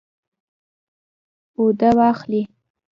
اوده واخلئ